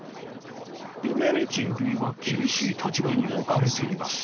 人類は厳しい立場に置かれています。